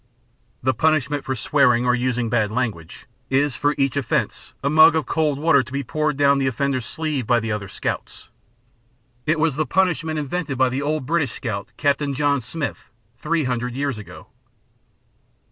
The punishment for swearing or using bad language is for each offence a mug of cold water to be poured down the offender's sleeve by the other scouts. It was the punish ment invented by the old British scout, Captain John Smith, three hundred years ago.